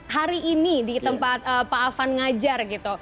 hari ini di tempat pak afan ngajar gitu